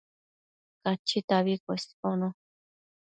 Cachitabi cuesbono